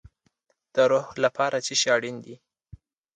د روح لپاره څه شی اړین دی؟